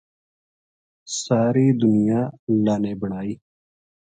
ساری دنیا اللہ نے بنائی